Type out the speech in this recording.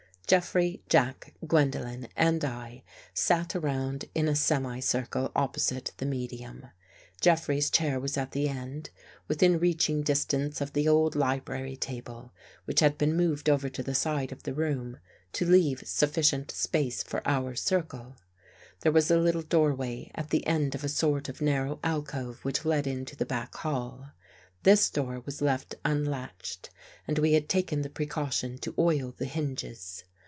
Jeffrey, Jack, Gwendolen and I sat around in a semi circle opposite the medium. Jeffrey's chair was at the end, within reaching distance of the old library table which had been moved over to the side of the room to leave sufficient space for our circle. There was a little doorway at the end of a sort of narrow alcove which led into the back hall. This door was left unlatched and we had taken the pre caution to oil the hinges.